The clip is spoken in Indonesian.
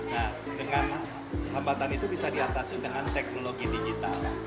nah dengan hambatan itu bisa diatasi dengan teknologi digital